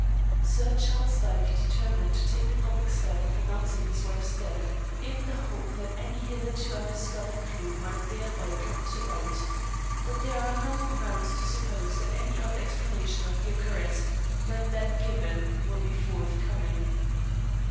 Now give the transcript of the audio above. Sir Charles Dyke determined to take the public step of announcing his wife's death in the hope that any hitherto undiscovered clue might thereby come to light. But there are no grounds to suppose that any other explanation of the occurrence than that given will be forthcoming.